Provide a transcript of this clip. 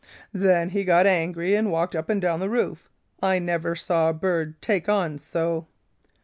Then he got angry and walked up and down the roof. I never saw a bird take on so.